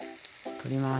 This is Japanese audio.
取ります。